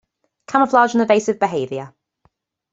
Camouflage and Evasive Behaviour.